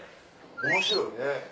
面白いね。